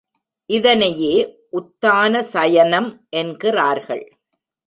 இதனையே உத்தான சயனம் என்கிறார்கள்.